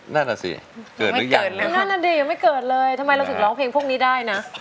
นั่นน่ะสิเกิดไม่เกิดเลยนั่นน่ะดิยังไม่เกิดเลยทำไมเราถึงร้องเพลงพวกนี้ได้นะ